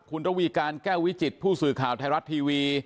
คุณระวีการแก้ววิจิตผู้สื่อข่าวไทยรัฐทีวี